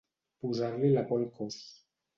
Posar-li la por al cos.